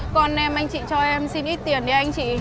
con em anh chị cho em xin ít tiền thì anh chị